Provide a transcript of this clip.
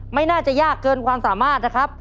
ไม่น่าจะยากเกินความสามารถนะครับ